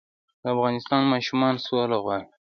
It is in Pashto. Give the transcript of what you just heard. د افغانستان ماشومان سوله غواړي